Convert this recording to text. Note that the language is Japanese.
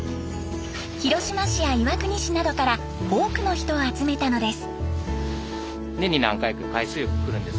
広島市や岩国市などから多くの人を集めたのです。